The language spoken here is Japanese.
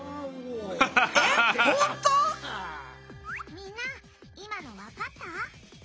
みんな今のわかった？